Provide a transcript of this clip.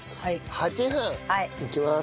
８分いきます。